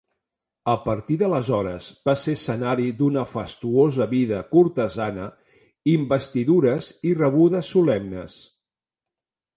A partir d'aleshores va ser escenari d'una fastuosa vida cortesana, investidures i rebudes solemnes.